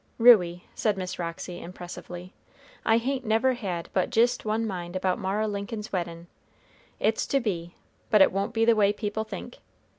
"Ruey," said Miss Roxy impressively, "I hain't never had but jist one mind about Mara Lincoln's weddin', it's to be, but it won't be the way people think.